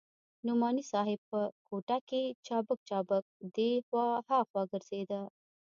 نعماني صاحب په کوټه کښې چابک چابک دې خوا ها خوا ګرځېده.